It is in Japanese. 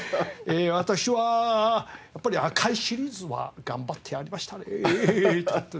私はやっぱり『赤い』シリーズは頑張ってやりましたねえってやって。